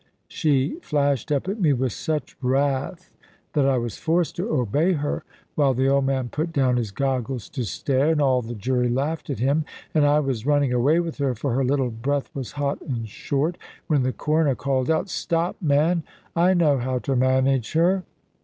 She flashed up at me with such wrath, that I was forced to obey her; while the old man put down his goggles to stare, and all the jury laughed at him. And I was running away with her, for her little breath was hot and short; when the Coroner called out, "Stop, man; I know how to manage her."